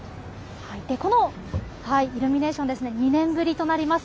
このイルミネーション、２年ぶりとなります。